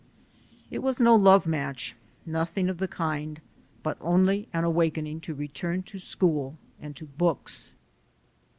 It was no love match, nothing of the kind, but only an awakening to return to school and to books.